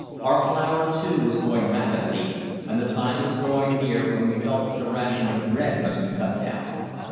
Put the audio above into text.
Our flour, too, was going rapidly, and the time was drawing near when we felt that the ration of bread must be cut down.